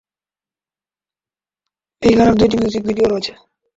এই গানের দুইটি মিউজিক ভিডিও রয়েছে।